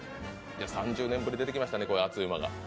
３０年ぶりに出てきましたね、馬が。